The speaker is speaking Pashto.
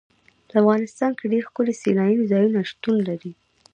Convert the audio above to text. په افغانستان کې ډېر ښکلي سیلاني ځایونه شتون لري.